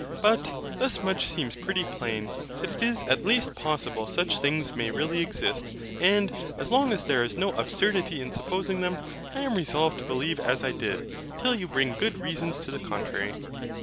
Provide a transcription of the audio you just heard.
But, thus much seems pretty plain, that it is at least possible such things may really exist. And, as long as there is no absurdity in supposing them, I am resolved to believe as I did, till you bring good reasons to the contrary.